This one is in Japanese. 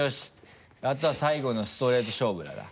あとは最後のストレート勝負だな。